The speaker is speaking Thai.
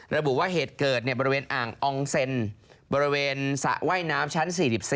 ระบุว่าเหตุเกิดบริเวณอ่างอองเซ็นบริเวณสระว่ายน้ำชั้น๔๔